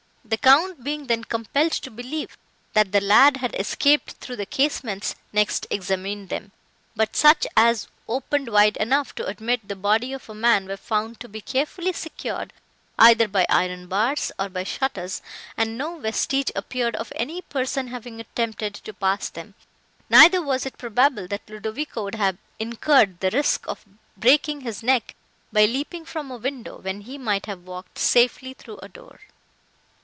The Count, being then compelled to believe, that the lad had escaped through the casements, next examined them, but such as opened wide enough to admit the body of a man were found to be carefully secured either by iron bars, or by shutters, and no vestige appeared of any person having attempted to pass them; neither was it probable, that Ludovico would have incurred the risk of breaking his neck, by leaping from a window, when he might have walked safely through a door.